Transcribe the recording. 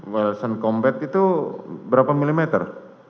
welson combat itu berapa milimeter